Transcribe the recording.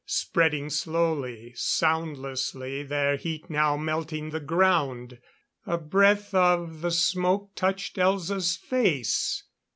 Spreading slowly, soundlessly, their heat now melting the ground. A breath of the smoke touched Elza's face.